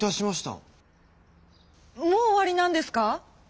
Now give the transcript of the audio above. もう終わりなんですか？